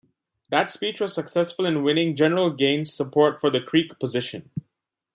That speech was successful in winning General Gaines' support for the Creek position.